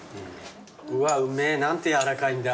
うわうめえ何て軟らかいんだ。